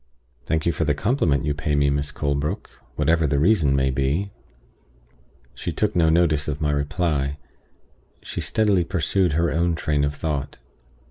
"Thank you for the compliment you pay me, Miss Colebrook, whatever the reason may be." She took no notice of my reply; she steadily pursued her own train of thought.